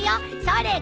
それ！